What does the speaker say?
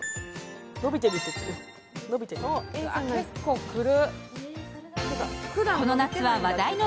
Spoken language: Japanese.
結構くる！